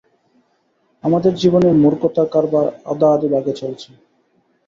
আমাদের জীবনে মুর্খতার কারবার আধাআধি ভাগে চলছে।